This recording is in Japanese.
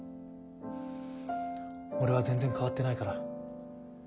俺は全然変わってないから。